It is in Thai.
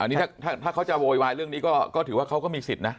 นี่ถ้าเขาจะโวยวายเรื่องนี้ก็ถือว่าเขาก็มีสิทธิ์นะ